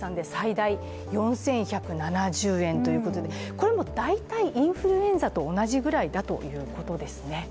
これも大体インフルエンザと同じぐらいだということですね。